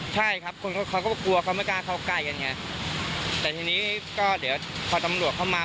ใช่ครับคนเขาก็กลัวเขาไม่กล้าเข้าใกล้กันไงแต่ทีนี้ก็เดี๋ยวพอตำรวจเข้ามา